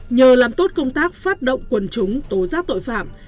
nhờ làm tốt công tác phát động quần chúng tố giác tội phạm